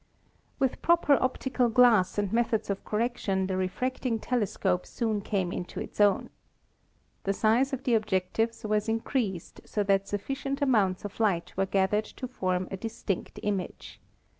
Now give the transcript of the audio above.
With proper optical glass and methods of correction the refracting telescope soon came into its own. The size of the objectives was increased so that sufficient amounts of light were gathered to form a distinct image.